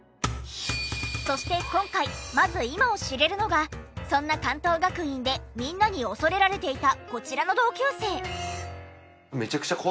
そして今回まず今を知れるのがそんな関東学院でみんなに恐れられていたこちらの同級生。